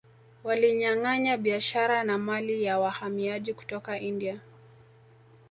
Walinyanganya biashara na mali ya wahamiaji kutoka India